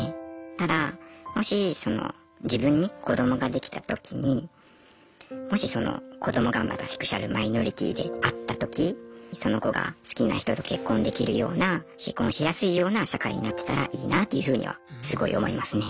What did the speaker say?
ただもし自分に子どもができたときにもしその子どもがまたセクシュアルマイノリティーであったときその子が好きな人と結婚できるような結婚しやすいような社会になってたらいいなというふうにはすごい思いますね。